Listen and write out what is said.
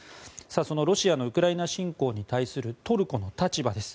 そのロシアのウクライナ侵攻に対するトルコの立場です。